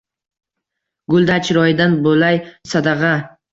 Gulday chiroyidan bo’lay sadag’a